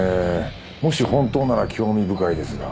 もし本当なら興味深いですが。